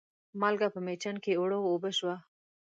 مالګه په مېچن کې اوړه و اوبه شوه.